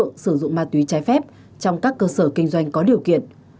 công an tỉnh vĩnh phúc sử dụng ma túy trái phép trong các cơ sở kinh doanh có điều kiện